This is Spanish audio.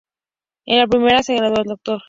En la primera se graduó de doctor.